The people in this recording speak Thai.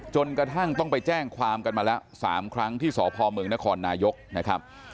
จนกระทั่งต้องไปแจ้งความกันมาแล้ว๓ครั้งที่สพเมืองนครนายกนะครับ